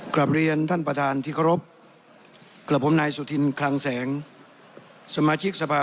กลับเรียนท่านประธานที่เคารพกับผมนายสุธินคลังแสงสมาชิกสภา